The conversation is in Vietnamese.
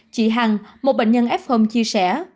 chị hằng một bệnh nhân f home chia sẻ